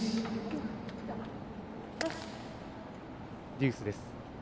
デュースです。